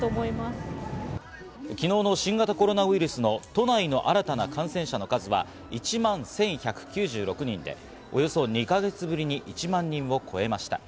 昨日の新型コロナウイルスの都内の新たな感染者の数が１万１１９６人で、およそ２か月ぶりに１万人を超えました。